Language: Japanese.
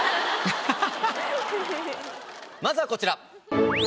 まずはこちら。